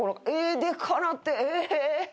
でっかなってえ。